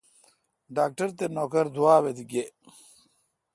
ڈاکٹر تے نوکر دوابہ گئے۔